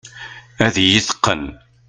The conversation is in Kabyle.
Ad iyi-teqqen.